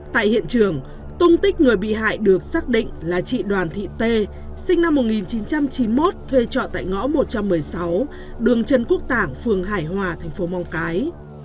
tại hiện trường tung tích người bị hại được xác định là chị đoàn thị tê sinh năm một nghìn chín trăm chín mươi một thuê trọ tại ngõ một trăm một mươi sáu đường trần quốc tảng phường hải hòa thành phố móng cái